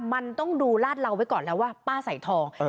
มันต้องดูลาดเหลาไว้ก่อนแล้วว่าป้าใส่ทอง